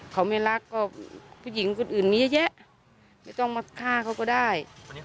เขาไม่รักก็ผู้หญิงคนอื่นมีเยอะแยะไม่ต้องมาฆ่าเขาก็ได้